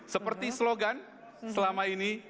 seperti slogan selama ini